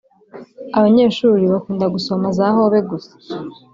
abanyeshuri bakunda gusoma za hobe gusa